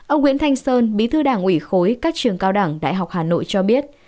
ông nguyễn thanh sơn bí thư đảng ủy khối các trường cao đẳng đại học hà nội cho biết